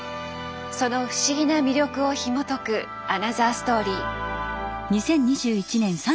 その不思議な魅力をひもとくアナザーストーリー。